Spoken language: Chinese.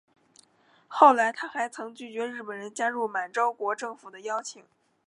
后来他还曾拒绝日本人加入满洲国政府的邀请。